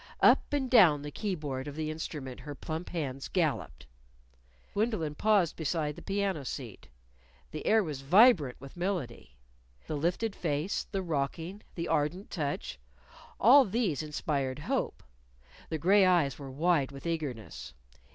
Up and down the key board of the instrument her plump hands galloped. Gwendolyn paused beside the piano seat. The air was vibrant with melody. The lifted face, the rocking, the ardent touch all these inspired hope. The gray eyes were wide with eagerness.